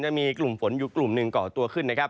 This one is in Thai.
จะมีกลุ่มฝนอยู่กลุ่มหนึ่งก่อตัวขึ้นนะครับ